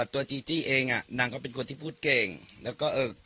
จีจี้เองอ่ะนางก็เป็นคนที่พูดเก่งแล้วก็เออ